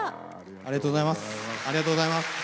ありがとうございます。